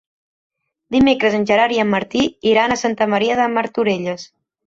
Dimecres en Gerard i en Martí iran a Santa Maria de Martorelles.